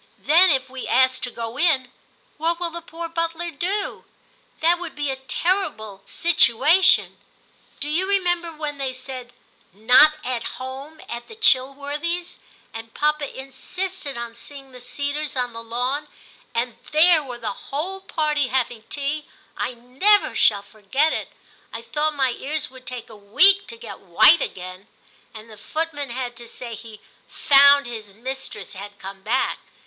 Then if we ask to go in, what will the poor butler do? That would be a terrible vin TIM 167 situation. Do you remember when they said *' Not at home" at the Chill worthy s*, and papa insisted on seeing the cedars on the lawn, and there were the whole party having tea ? I never shall forget it. I thought my ears would take a week to get white again ; and the footman had to say he "found his mistress had come back."